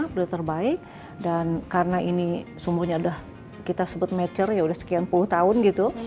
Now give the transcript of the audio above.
putra terbaik dan karena ini sumurnya sudah kita sebut mature ya sudah sekian puluh tahun gitu